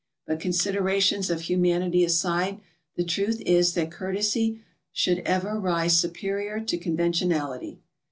But considerations of humanity aside, the truth is that courtesy should ever rise superior to conventionality.